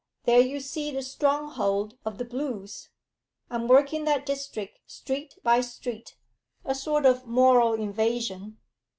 There you see the stronghold of the Blues. I'm working that district street by street a sort of moral invasion.